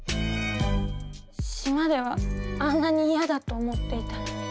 島ではあんなに嫌だと思っていたのに。